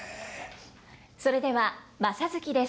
それでは「正月」です。